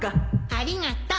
ありがと。